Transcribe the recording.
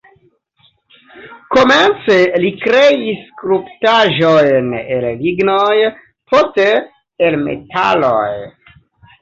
Komence li kreis skulptaĵojn el lignoj, poste el metaloj.